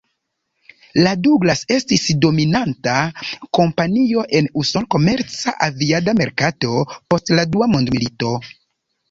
La Douglas estis dominanta kompanio en usona komerca aviada merkato post la dua mondmilito.